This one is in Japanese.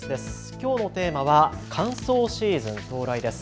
きょうのテーマは乾燥シーズン到来です。